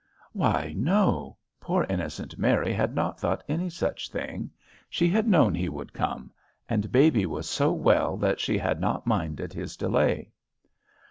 Why, no, poor innocent Mary had not thought any such thing. She had known he would come, and baby was so well that she had not minded his delay.